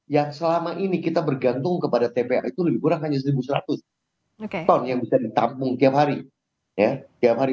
yang selama ini kita bergantung kepada tpa itu lebih kurang hanya satu seratus ton yang bisa ditampung tiap hari